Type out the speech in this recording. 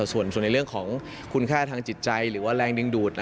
ส่วนในเรื่องของคุณค่าทางจิตใจหรือว่าแรงดึงดูด